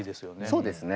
そうですね。